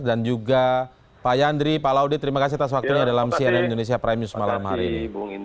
juga pak yandri pak laude terima kasih atas waktunya dalam cnn indonesia prime news malam hari ini